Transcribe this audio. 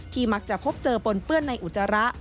มักจะพบเจอปนเปื้อนในอุจจาระ